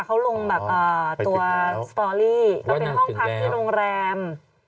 เขาลงแบบตัวสตอรี่ก็เป็นห้องพักที่โรงแรม